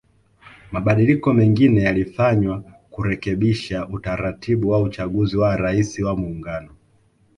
Mabadiliko mengine yalifanywa kurekebisha utaratibu wa uchaguzi wa Rais wa Muungano